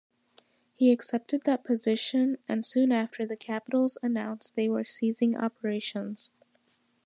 He accepted that position and soon after the Capitals announced they were ceasing operations.